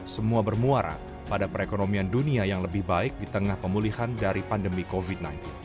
semua bermuara pada perekonomian dunia yang lebih baik di tengah pemulihan dari pandemi covid sembilan belas